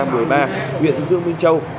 huyện dương minh châu